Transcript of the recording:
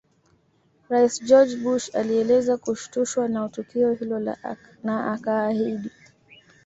Rais George Bush alieleza kushtushwa na tukio hilo na akaahidi